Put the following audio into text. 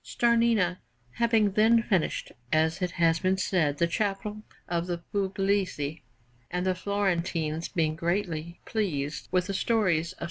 Starnina having then finished, as it has been said, the Chapel of the Pugliesi, and the Florentines being greatly pleased with the stories of S.